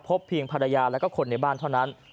เพียงภรรยาและคนในบ้านเท่านั้น